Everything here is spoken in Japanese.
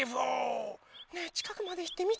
ねえちかくまでいってみてみない？